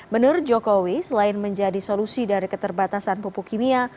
menurut jokowi selain menjadi solusi dari keterbatasan pupuk kimia